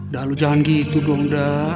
dada lu jangan gitu dong dada